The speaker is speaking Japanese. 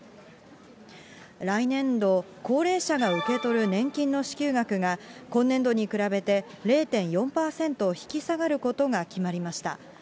来年度、高齢者が受け取る年金の支給額が、今年度に比べて０．４％引き下がることが決まりました。